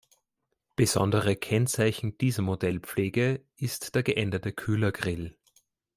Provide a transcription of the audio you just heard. Besonderes Kennzeichen dieser Modellpflege ist der geänderte Kühlergrill.